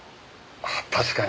確かに。